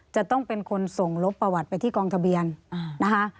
จะต้องเป็นคนส่งลบประวัติไปที่กองทะเบียนนะคะ